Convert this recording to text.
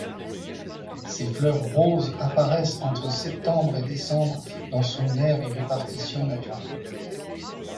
Ses fleurs roses apparaissent entre septembre et décembre dans son aire de répartition naturelle.